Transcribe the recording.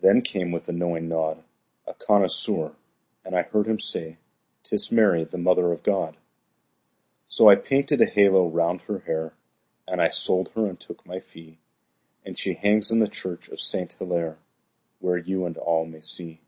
Then came, with a knowing nod, A connoisseur, and I heard him say; "'Tis Mary, the Mother of God." So I painted a halo round her hair, And I sold her and took my fee, And she hangs in the church of Saint Hillaire, Where you and all may see.